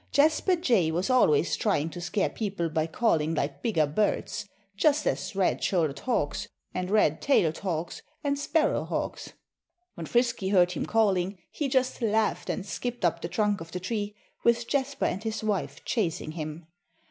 Jasper Jay was always trying to scare people by calling like bigger birds such as red shouldered hawks, and red tailed hawks, and sparrow hawks. When Frisky heard him calling he just laughed and skipped up the trunk of the tree, with Jasper and his wife chasing him.